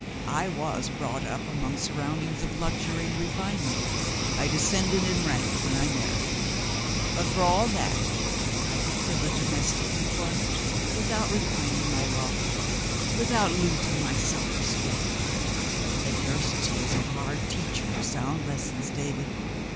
I was brought up among surroundings of luxury and refinement; I descended in rank when I married but for all that, I could fill a domestic employment without repining my lot, without losing my self respect. Adversity is a hard teacher of sound lessons, David.